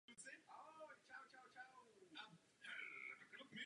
Lékařka pravidelně cestuje do práce tramvají a pozoruje cestující.